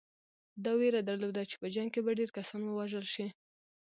ده وېره درلوده چې په جنګ کې به ډېر کسان ووژل شي.